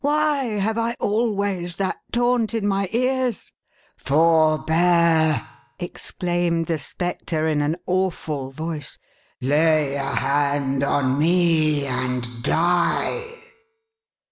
" Why have I always that taunt in my ears ?"" Forbear !" exclaimed the Spectre in an awful voice. " Lay a hand on me, and die